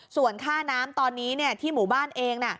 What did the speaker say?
ส่วนค่าน้ำตอนนี้ที่หมู่บ้านเอง